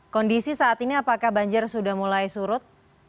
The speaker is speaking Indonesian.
kondisi saat ini apakah banjir sudah mulai surut